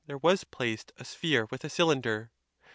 187 there was placed a sphere with a cylinder.